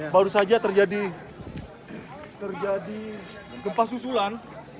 baru saja terjadi gempa susulan